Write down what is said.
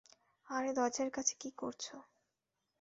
আরে দরজার কাছে কি করছো?